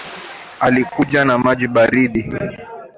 Alikuja na maji baridi